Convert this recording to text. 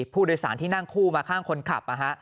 ผู้โดยสารที่นั่งคู่มาข้างคนขับ